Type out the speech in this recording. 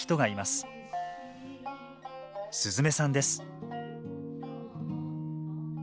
すずめさんです